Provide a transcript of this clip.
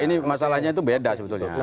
ini masalahnya itu beda sebetulnya